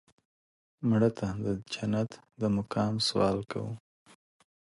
مړه ته د جنت د مقام سوال کوو